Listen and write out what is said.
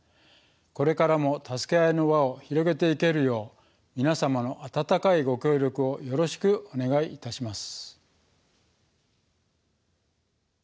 これからも「たすけあい」の輪を広げていけるよう皆様の温かいご協力をよろしくお願いいたします。